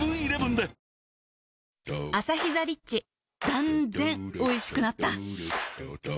断然おいしくなった